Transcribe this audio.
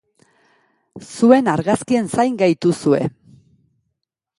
Zuen argazkien zain gaituzue!